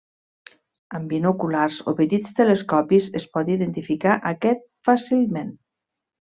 Amb binoculars o petits telescopis es pot identificar aquest fàcilment.